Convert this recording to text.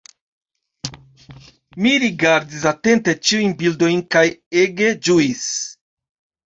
Mi rigardis atente ĉiujn bildojn kaj ege ĝuis.